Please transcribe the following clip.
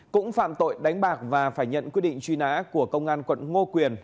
cũng phạm tội đánh bạc và phải nhận quyết định truy nã của công an quận ngô quyền